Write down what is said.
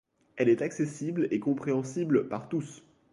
Elle est accessible et compréhensible par tous.